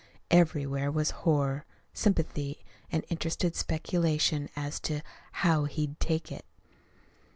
Everywhere was horror, sympathy, and interested speculation as to "how he'd take it."